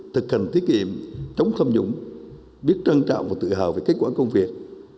thực hành thiết nghiệm chống thâm nhũng biết trân trọng và tự hào về kết quả công việc